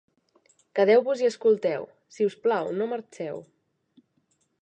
Quedeu-vos i escolteu; si us plau, no marxeu